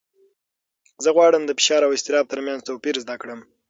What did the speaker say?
زه غواړم د فشار او اضطراب تر منځ توپیر زده کړم.